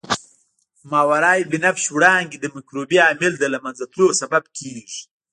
ماورای بنفش وړانګې د مکروبي عامل د له منځه تلو سبب کیږي.